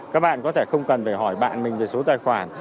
các bạn có thể không cần phải hỏi bạn mình về số tài khoản